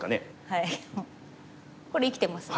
はいこれ生きてますよね。